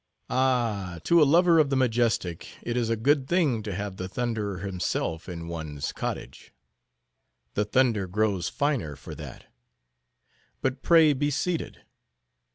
Ah, to a lover of the majestic, it is a good thing to have the Thunderer himself in one's cottage. The thunder grows finer for that. But pray be seated.